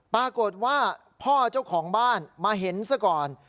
ปรากฏว่าพ่อเจ้าของบ้านมาเห็นซะก่อน